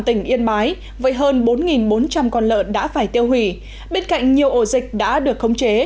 tỉnh yên bái với hơn bốn bốn trăm linh con lợn đã phải tiêu hủy bên cạnh nhiều ổ dịch đã được khống chế